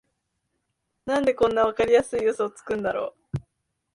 なんでこんなわかりやすいウソつくんだろ